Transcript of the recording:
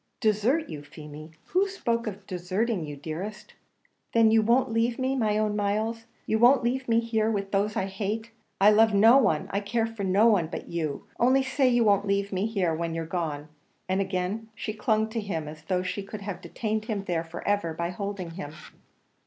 "Desert you, Feemy! who spoke of deserting you, dearest?" "Then you won't leave me, my own Myles? You won't leave me here with those I hate! I love no one I care for no one but you; only say you won't leave me here when you're gone!" and again she clung to him as though she could have detained him there for ever by holding him.